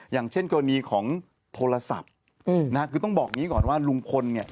อย่างเช่นกรณีของโทรศัพท์คือต้องบอกอย่างนี้ก่อนว่าลุงพลเนี่ย